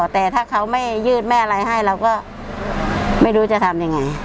แต่ถ้าเขาไม่ยืดไม่อะไรให้เราก็ไม่รู้จะทำยังไง